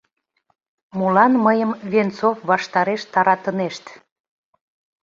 Молан мыйым Венцов ваштареш таратынешт?